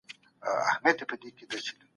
په مال کي د خیرات برخه باید جلا کړل سي.